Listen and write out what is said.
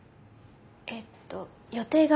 えっと予定が。